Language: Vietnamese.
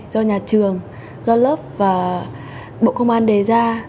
do nhà trường do lớp và bộ công an đề ra